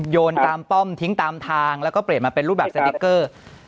โยนตามป้อมทิ้งตามทางแล้วก็เปลี่ยนมาเป็นรูปแบบสติ๊กเกอร์